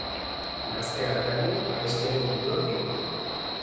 Gaztea atarian abestiaren bideoak igota.